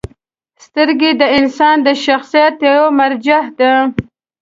• سترګې د انسان د شخصیت یوه مرجع ده.